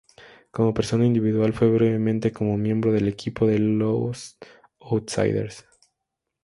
Como persona individual, fue brevemente como miembro del equipo de Los Outsiders.